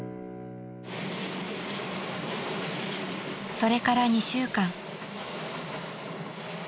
［それから２週間］